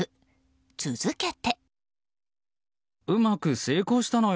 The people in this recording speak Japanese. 続けて。